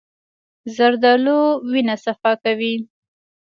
زردالو د وینې صفا کوي.